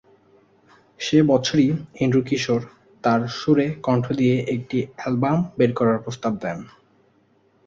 সে বছরই এন্ড্রু কিশোর তার সুরে কণ্ঠ দিয়ে একটি অ্যালবাম বের করার প্রস্তাব দেন।